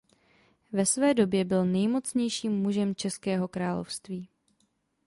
Ve své době byl nejmocnějším mužem Českého království.